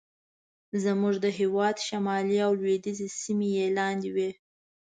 زموږ د هېواد شمالي او لوېدیځې سیمې یې لاندې وې.